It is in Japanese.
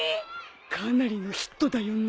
かなりのヒットだよね。